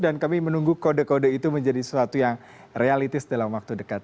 dan kami menunggu kode kode itu menjadi sesuatu yang realitis dalam waktu dekat